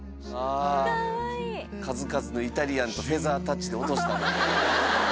数々のイタリアンとフェザータッチで落とした。